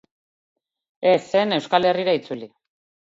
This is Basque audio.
Ez zen Euskal Herrira itzuli.